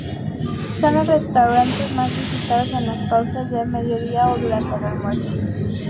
Son los restaurantes más visitados en las pausas de mediodía, o durante el almuerzo.